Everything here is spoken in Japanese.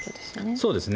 そうですね。